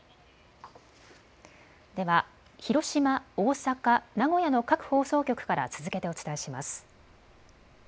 では広島、大阪、名古屋の各放送局から続けてお伝えします。